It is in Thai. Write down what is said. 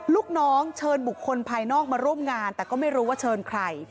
ลูกน้องเชิญบุคคลภายนอกมาร่วมงานแต่ก็ไม่รู้ว่าเชิญใคร